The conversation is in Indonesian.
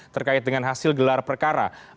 terkait dengan hasil gelar perkara